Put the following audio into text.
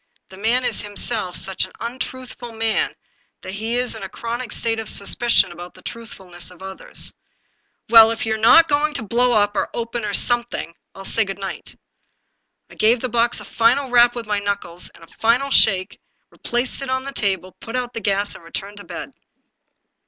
The man is himself such an untruthful man that he is in a chronic state of suspicion about the truthfulness of others. " Well, if you're not going to blow up, or open, or some thing, 1*11 say good night." I gave the box a final rap with my knuckles and a final shake, replaced it on the table, put out the gas, and re turned to bed.